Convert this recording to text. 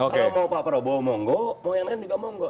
kalau mau pak prabowo monggo mau yang lain juga monggo